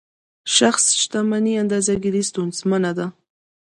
شخص شتمني اندازه ګیري ستونزمنه ده.